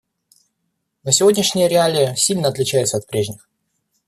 Но сегодняшние реалии сильно отличаются от прежних.